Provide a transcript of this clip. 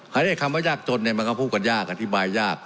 เรียกคำว่ายากจนเนี่ยมันก็พูดกันยากอธิบายยาก